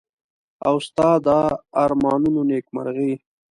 او ستا د ارمانونو نېکمرغي.